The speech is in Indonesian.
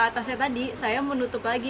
atasnya tadi saya menutup lagi